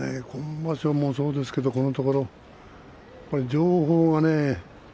今場所もそうですけれどこのところ情報がね